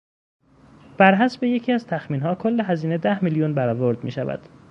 برحسب یکی از تخمینها کل هزینه ده میلیون برآورد میشود.